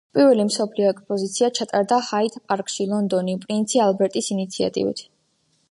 პირველი მსოფლიო ექსპოზიცია ჩატარდა ჰაიდ-პარკში, ლონდონი, პრინცი ალბერტის ინიციატივით.